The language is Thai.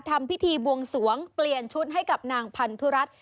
ทำพิธีบวงสวงเปลี่ยนชุดให้กับนางพันธุรัฐ